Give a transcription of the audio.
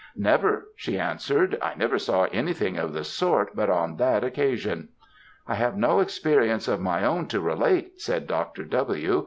"Never," she answered; "I never saw anything of the sort but on that occasion." "I have no experience of my own to relate," said Dr. W.